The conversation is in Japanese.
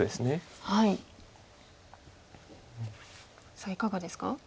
さあいかがですか？